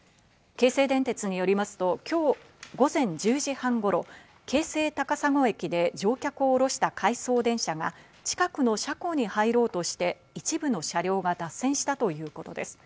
京成電鉄によりますと今日午前１０時半頃、京成高砂駅で乗客を降ろした回送電車が近くの車庫に入ろうとして一部の車両が脱線したということです。